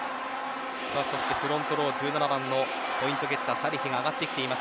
そしてフロントロー、１７番のフロントゲッター、サレヒが上がってきています。